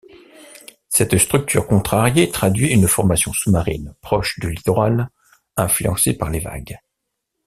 Cette structure contrariée traduit une formation sous-marine proche du littoral, influencée par les vagues.